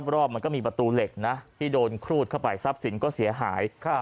รอบมันก็มีประตูเหล็กนะที่โดนครูดเข้าไปทรัพย์สินก็เสียหาย